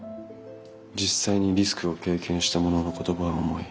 実際にリスクを経験した者の言葉は重い。